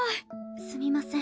すみません。